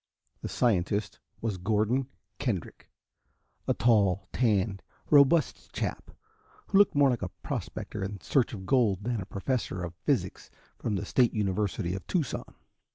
The scientist was Gordon Kendrick a tall, tanned, robust chap who looked more like a prospector in search of gold than a professor of physics from the State University of Tucson.